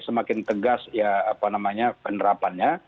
semakin tegas penerapannya